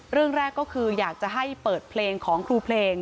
เรื่องแรกก็คืออยากจะให้เปิดเพลงของครูเพลง